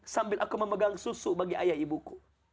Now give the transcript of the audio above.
sambil aku memegang susu bagi ayah ibuku